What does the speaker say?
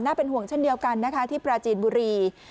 เป็นห่วงเช่นเดียวกันนะคะที่ปราจีนบุรี